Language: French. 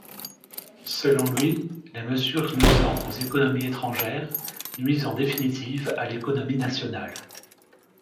Selon lui, les mesures nuisant aux économies étrangères, nuisent en définitive à l’économie nationale.